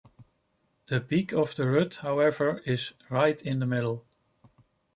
The peak of the rut, however, is right in the middle.